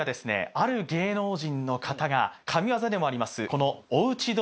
ある芸能人の方が神業でもあります